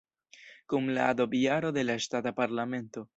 Kun la adopt-jaro de la ŝtata parlamento.